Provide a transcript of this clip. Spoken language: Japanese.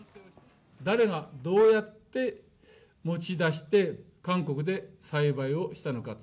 誰がどうやって持ち出して、韓国で栽培をしたのか。